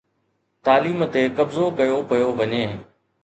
تعليم تي قبضو ڪيو پيو وڃي